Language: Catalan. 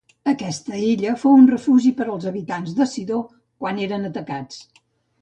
Aquesta illa fou un refugi pels habitants de Sidó quan eren atacats.